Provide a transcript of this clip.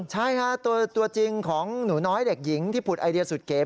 ใช่ค่ะตัวจริงของหนูน้อยเด็กหญิงที่ผุดไอเดียสุดเก๋